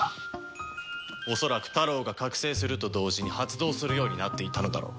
恐らくタロウが覚醒すると同時に発動するようになっていたのだろう。